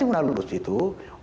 rekomendasi yang harus dijalankan